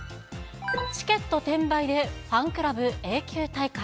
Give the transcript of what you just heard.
チケット転売でファンクラブ永久退会。